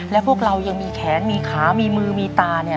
และพวกเรายังมีแขนมีขามีมือมีตาเนี่ย